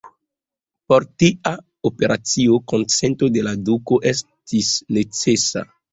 Por tia operacio, konsento de la duko estis necesa.